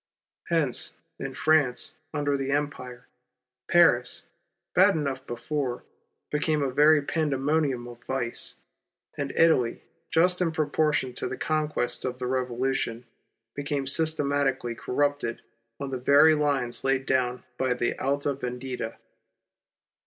Hence, in Finance under the Empire, Paris, bad enough before, became a very pandemonium of vice ; and Italy just in proportion to the con quests of the Revolution, became systematic^ally corrupted on the very lines laid down by the Alta Yendita.